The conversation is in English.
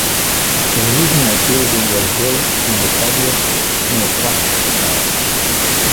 The original building was built in the Soviet neoclassical style.